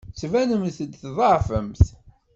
Tettbanemt-d tḍeɛfemt.